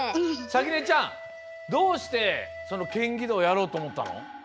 さきねちゃんどうしてそのケンギドーやろうとおもったの？